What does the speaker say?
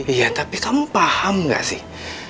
iya tapi kamu paham gak sih